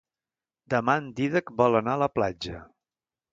Demà en Dídac vol anar a la platja.